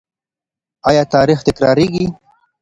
آیا تاریخ تکراریږي؟